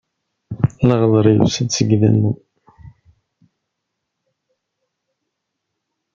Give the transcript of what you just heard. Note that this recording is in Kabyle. Leɣdeṛ yusa-d seg dammen.